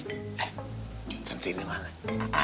eeh cantik gimana